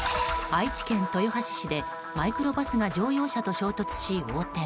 愛知県豊橋市でマイクロバスが乗用車と衝突し、横転。